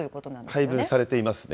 配分されていますね。